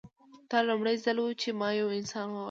دا لومړی ځل و چې ما یو انسان وواژه